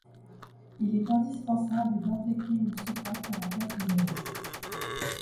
Il est indispensable d'intégrer une soupape à la plaque isolante.